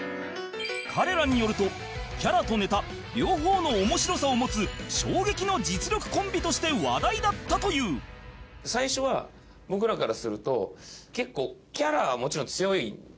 彼らによるとキャラとネタ両方の面白さを持つ衝撃の実力コンビとして話題だったというだから。